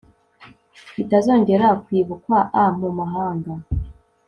batazongera kwibukwa a mu mahanga